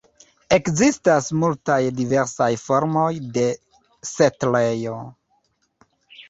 Ekzistas multaj diversaj formoj de setlejo.